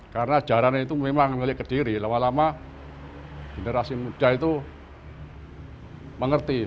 karena jarang itu memang melalui kediri lama lama generasi muda itu mengerti